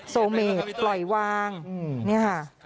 โซเมกปล่อยวางเนี่ยค่ะ